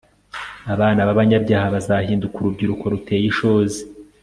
abana b'abanyabyaha bazahinduka urubyiruko ruteye ishozi